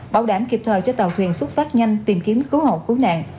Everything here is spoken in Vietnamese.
bảo đảm kịp thời cho tàu thuyền xuất phát nhanh tìm kiếm cứu hộ cứu nạn